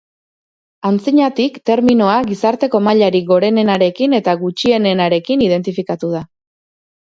Aintzinatik terminoa gizarteko mailarik gorenenarekin eta gutxienenarekin identifikatu da.